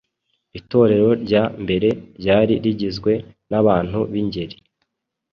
Itorero rya mbere ryari rigizwe n’abantu b’ingeri